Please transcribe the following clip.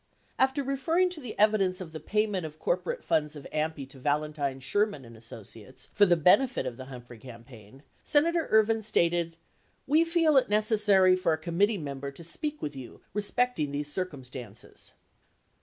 After referring to the evidence of the payment of cor porate funds of AMPI to Valentine, Sherman and Associates for the benefit of the Humphrey campaign, Senator Ervin stated "we feel it necessary for a committee member to speak with you respecting these circumstances."